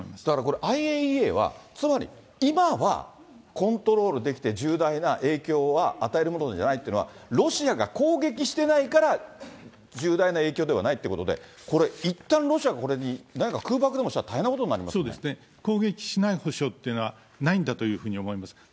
だからこれ、ＩＡＥＡは、つまり、今はコントロールできて重大な影響は与えるものじゃないっていうのは、ロシアが攻撃してないから重大な影響ではないということで、これ、いったんロシアがこれに空爆でもしたら大変なことになりまそうですね、攻撃しない保証はないんだというふうに思います。